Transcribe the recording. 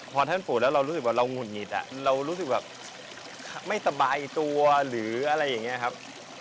พอท่านป่วยแล้วเรารู้สึกว่าเราหุดหงิดเรารู้สึกแบบไม่สบายตัวหรืออะไรอย่างนี้ครับ